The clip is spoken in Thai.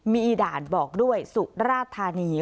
มีด่านบอกด้วยสุราธานี